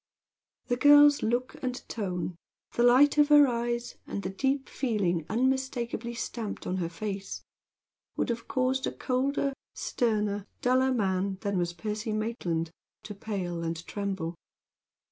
The girl's look and tone the light of her eyes, and the deep feeling unmistakably stamped on her face, would have caused a colder, sterner, and a duller man than was Percy Maitland to pale and tremble.